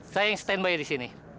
saya yang stand by disini